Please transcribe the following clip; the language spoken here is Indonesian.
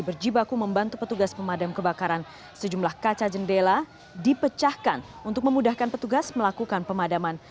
berjibaku membantu petugas pemadam kebakaran sejumlah kaca jendela dipecahkan untuk memudahkan petugas melakukan pemadaman